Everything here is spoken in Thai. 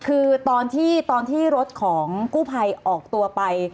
คือตอนที่รถของกู้ภัยออกตัวไป